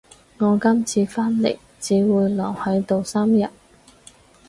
我今次返嚟只會留喺度三日